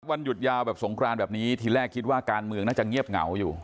วันหยุดยาวแบบสงครานแบบนี้ทีแรกคิดว่าการเมืองน่าจะเงียบเหงาอยู่